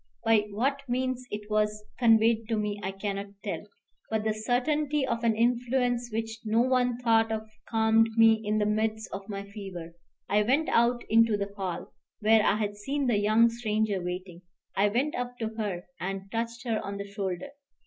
By what means it was conveyed to me I cannot tell; but the certainty of an influence which no one thought of calmed me in the midst of my fever. I went out into the hall, where I had seen the young stranger waiting. I went up to her and touched her on the shoulder.